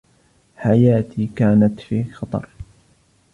حياتي كانت في خطر.